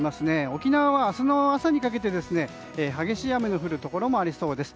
沖縄は明日の朝にかけて激しい雨の降るところもありそうです。